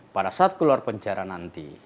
pada saat keluar penjara nanti